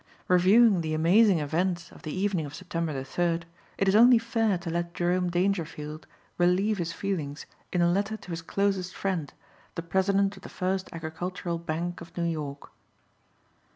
Reviewing the amazing events of the evening of September the third, it is only fair to let Jerome Dangerfield relieve his feelings in a letter to his closest friend, the president of the First Agricultural Bank of New York.